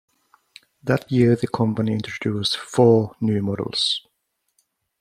That year the company introduced four new models.